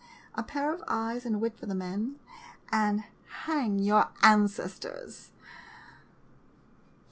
A pair of eyes and a wit for the men — and hang your ancestors